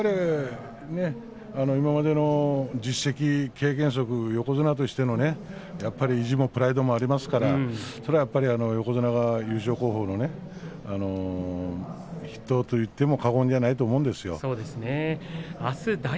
今までの実績、経験則横綱としての意地もプライドも、ありますから横綱が優勝候補の筆頭といっても過言ではないと思うんですよね。